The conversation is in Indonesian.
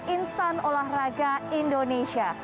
insan olahraga indonesia